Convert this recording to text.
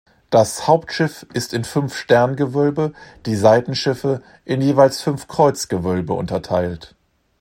Das Hauptschiff ist in fünf Sterngewölbe, die Seitenschiffe in jeweils fünf Kreuzgewölbe unterteilt.